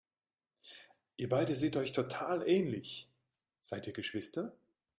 Ihr beide seht euch total ähnlich, seid ihr Geschwister?